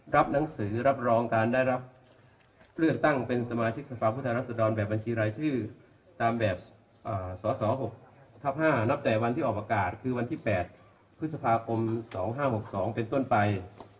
รับหนังสือรับรองการได้รับเลือกตั้งเป็นสมาชิกสภาพผู้แทนรัศดรแบบบัญชีรายชื่อตามแบบสส๖ทับ๕นับแต่วันที่ออกประกาศคือวันที่๘พฤษภาคม๒๕๖๒เป็นต้นไป